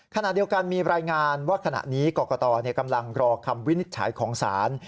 ขณะเดียวกันมีรายงานว่าขณะนี้กรกตกำลังรอคำวินิจฉัยของศาล